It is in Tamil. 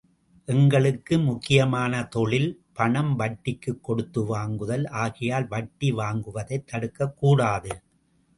எங்களுக்கு முக்கியமான தொழில், பணம் வட்டிக்குக் கொடுத்து வாங்குதல் ஆகையால், வட்டி வாங்குவதைத் தடுக்கக் கூடாது.